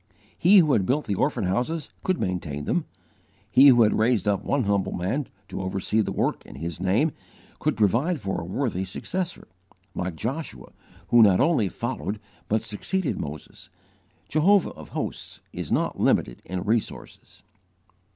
_ He who had built the orphan houses could maintain them; He who had raised up one humble man to oversee the work in His name, could provide for a worthy successor, like Joshua who not only followed but succeeded Moses. Jehovah of hosts is not limited in resources.